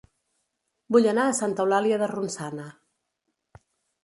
Vull anar a Santa Eulàlia de Ronçana